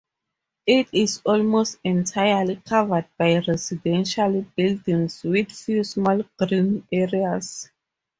It is almost entirely covered by residential buildings, with few small green areas.